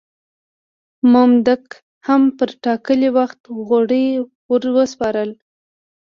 مامدک هم پر ټاکلي وخت غوړي ور وسپارل.